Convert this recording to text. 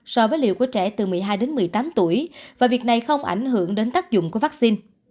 so với liều của trẻ từ một mươi hai đến một mươi tám tuổi và việc này không ảnh hưởng đến tác dụng của vaccine